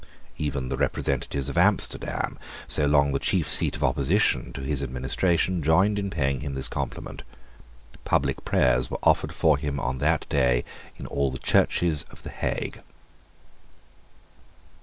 Even the representatives of Amsterdam, so long the chief seat of opposition to his administration, joined in paying him this compliment. Public prayers were offered for him on that day in all the churches of the Hague.